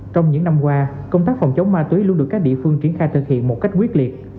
trong những năm qua công tác phòng chống ma túy luôn được các địa phương triển khai thực hiện một cách quyết liệt